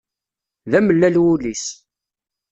d amellal wul-is.